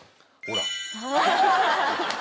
ほら。